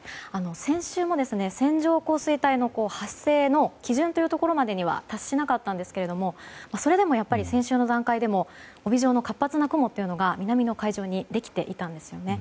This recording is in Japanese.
先週も線状降水帯の発生の基準というところまでには達しなかったんですがそれでも先週の段階でも帯状の活発な雲が南の海上にできていたんですね。